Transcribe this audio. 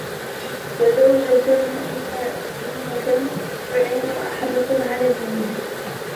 وَزَوْجَةً مُؤْمِنَةً تُعِينُ أَحَدَكُمْ عَلَى دِينِهِ